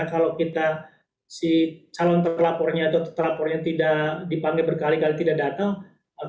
kalau kita si calon terlapornya atau terlapornya tidak dipanggil berkali kali tidak datang